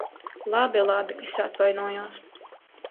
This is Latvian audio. Labi, labi. Es atvainojos.